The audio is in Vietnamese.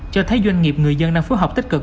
cho thấy doanh nghiệp người dân đang phối hợp tích cực